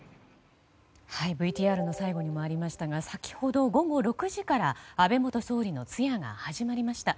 ＶＴＲの最後にもありましたが先ほど、午後６時から安倍元総理の通夜が始まりました。